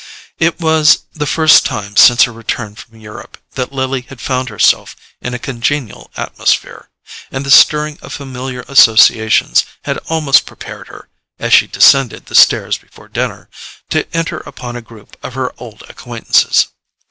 It was the first time since her return from Europe that Lily had found herself in a congenial atmosphere, and the stirring of familiar associations had almost prepared her, as she descended the stairs before dinner, to enter upon a group of her old acquaintances.